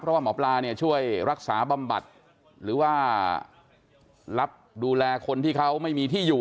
เพราะว่าหมอปลาเนี่ยช่วยรักษาบำบัดหรือว่ารับดูแลคนที่เขาไม่มีที่อยู่